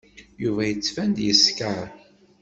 Yuba yettban-d yeskeṛ.